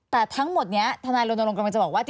แต่ทั้งหมดนี้ทนายรณรงค์กำลังจะบอกว่า